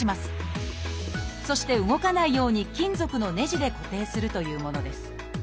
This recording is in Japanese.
そして動かないように金属のねじで固定するというものです。